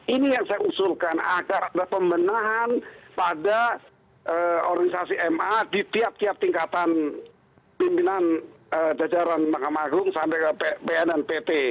ini yang saya usulkan agar ada pembenahan pada organisasi ma di tiap tiap tingkatan pimpinan jajaran mahkamah agung sampai ke bnnpt